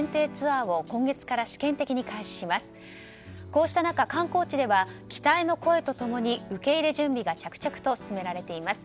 こうした中、観光地では期待の声と共に受け入れ準備が着々と進められています。